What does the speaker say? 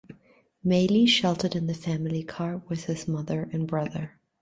Maley sheltered in the family car with his mother and brother.